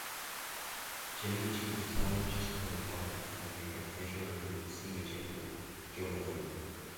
Cellucci was challenged in the Republican primary by Treasurer and Receiver-General Joe Malone.